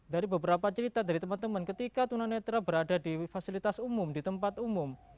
dari beberapa cerita dari teman teman ketika tunanetra berada di fasilitas umum di tempat umum